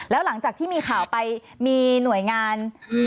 แล้วหลังจากที่มีข่าวไปมีหน่วยงาน